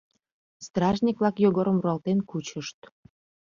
Стражник-влак Йогорым руалтен кучышт.